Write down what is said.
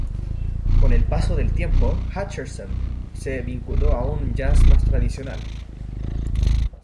Con el paso del tiempo, Hutcherson se vinculó a un "jazz" más tradicional.